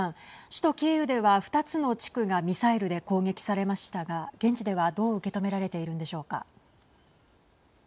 首都キーウでは２つの地区がミサイルで攻撃されましたが現地では、どう受け止められているんでしょうか。